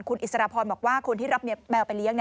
คุณอิสรพรบอกว่าคนที่รับแมวไปเลี้ยง